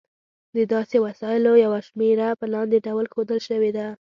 د داسې وسایلو یوه شمېره په لاندې ډول ښودل شوې ده.